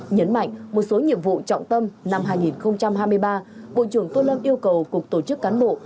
nhấn mạnh một số nhiệm vụ trọng tâm năm hai nghìn hai mươi ba bộ trưởng tô lâm yêu cầu cục tổ chức cán bộ